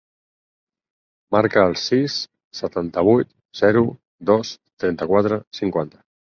Marca el sis, setanta-vuit, zero, dos, trenta-quatre, cinquanta.